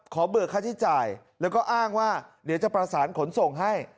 เบิกค่าใช้จ่ายแล้วก็อ้างว่าเดี๋ยวจะประสานขนส่งให้